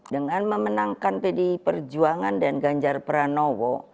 dengan memenangkan pdi perjuangan dan ganjar pranowo